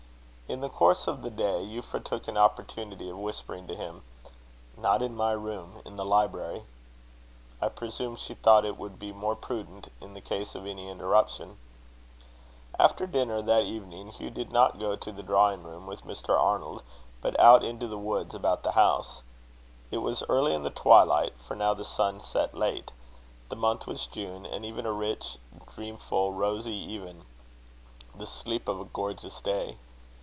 In the course of the day, Euphra took an opportunity of whispering to him: "Not in my room in the library." I presume she thought it would be more prudent, in the case of any interruption. After dinner that evening, Hugh did not go to the drawingroom with Mr. Arnold, but out into the woods about the house. It was early in the twilight; for now the sun set late. The month was June; and the even a rich, dreamful, rosy even the sleep of a gorgeous day.